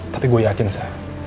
tapi gue yakin sa